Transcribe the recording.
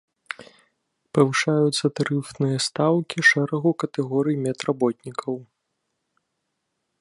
Павышаюцца тарыфныя стаўкі шэрагу катэгорый медработнікаў.